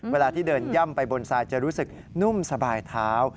เวลาที่เดินย่ำไปบนทรายจะรู้สึกนุ่มสบายเท้า